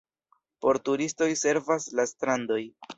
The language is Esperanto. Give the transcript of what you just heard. Por turistoj servas la strandoj.